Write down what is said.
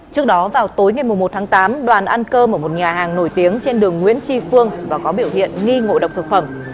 trước đó vào tối ngày một tháng tám đoàn ăn cơm ở một nhà hàng nổi tiếng trên đường nguyễn tri phương và có biểu hiện nghi ngộ độc thực phẩm